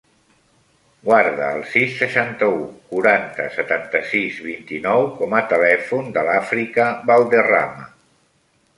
Guarda el sis, seixanta-u, quaranta, setanta-sis, vint-i-nou com a telèfon de l'Àfrica Valderrama.